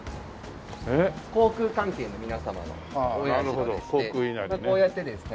航空関係の皆様のお社でしてこうやってですね